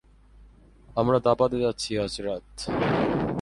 আমরা দাপাতে যাচ্ছি, আজ রাত।